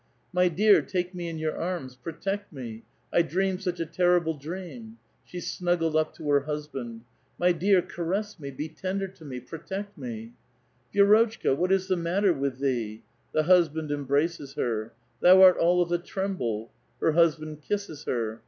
*' My dear, take me in your arms ! protect me ! I dreamed such a terrible dream !" She snuggled up to her husband. " My dear, caress me 1 be tender to me ! protect me !*''* Vi^rotchka, what is the matter with thee?" The hus band embraces her. " Thou art all of a tremble !" Her husband kisses her.